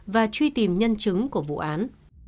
và truy tìm nhân chứng của vụ án